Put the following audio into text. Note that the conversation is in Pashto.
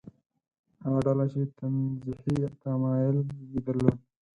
هغه ډله چې تنزیهي تمایل یې درلود.